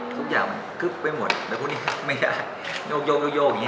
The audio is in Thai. ทุกอย่างกลิ๊บไปหมดแบบคุณฮะไม่ได้โยกเฉพาะอย่างนี้